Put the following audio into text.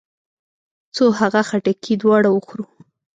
څو هغه خټکي دواړه وخورو.